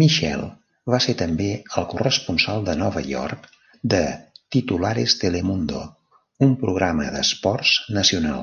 Michele va ser també el corresponsal de Nova York de "Titulares Telemundo", un programa d'esports nacional.